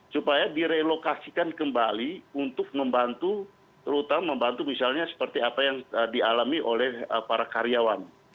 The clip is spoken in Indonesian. supaya direlokasikan kembali untuk membantu terutama membantu misalnya seperti apa yang dialami oleh para karyawan